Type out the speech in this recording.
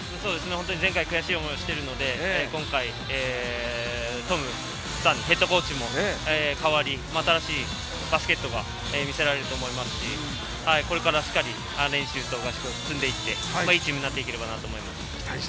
前回、悔しい思いをしているので、今回、トムヘッドコーチに代わり、新しいバスケットが見せられると思いますし、これからしっかり練習を積んでいって、いいチームになっていければいいなと思います。